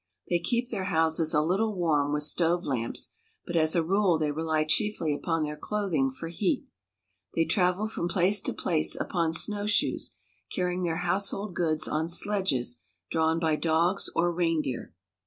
They keep their houses a Httle warm with stove lamps, but as a rule they rely chiefly upon their clothing for heat. They travel from place to place upon snowshoes, carrying their household goods on sledges drawn by dogs or reindeer.